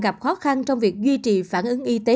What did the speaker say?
gặp khó khăn trong việc duy trì phản ứng y tế